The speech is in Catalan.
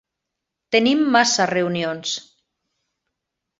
Tenim massa reunions